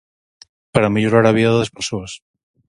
Para min honrar da vida das persoas.